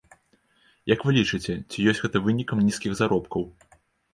Як вы лічыце, ці ёсць гэта вынікам нізкіх заробкаў?